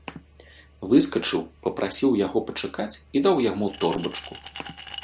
Выскачыў, папрасіў яго пачакаць і даў яму торбачку.